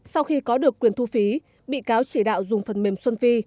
sau khi có được quyền thu phí bị cáo chỉ đạo dùng phần mềm xuân phi